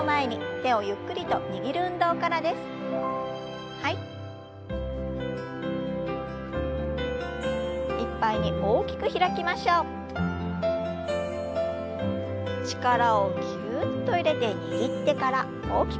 力をぎゅっと入れて握ってから大きく開きます。